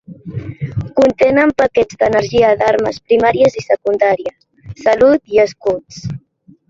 Contenen paquets d'energia d'armes primàries i secundàries, salut i escuts.